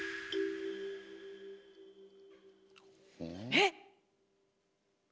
えっ。